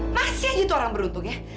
masih aja tuh orang beruntung ya